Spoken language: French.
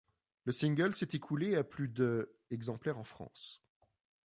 Le single s'est écoulé à plus de exemplaires en France.